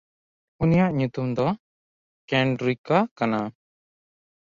ᱩᱱᱤᱭᱟᱜ ᱧᱩᱛᱩᱢ ᱫᱚ ᱠᱮᱱᱰᱨᱤᱠᱟ ᱠᱟᱱᱟ᱾